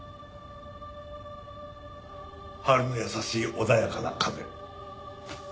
「春の優しい穏やかな風」。